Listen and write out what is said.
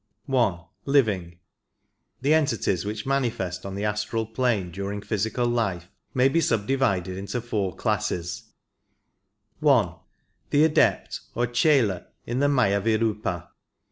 I. Living. The entities which manifest on the astral plane during physical life may be subdivided into four classes :— I. The Adept or Chela in the Mayavirupa.